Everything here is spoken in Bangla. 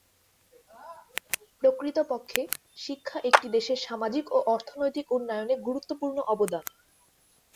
প্রকৃতপক্ষে, শিক্ষা একটি দেশের সামাজিক ও অর্থনৈতিক উন্নয়নে গুরুত্বপূর্ণ অবদান।